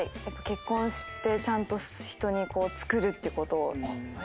やっぱ結婚してちゃんと人に作るってことを。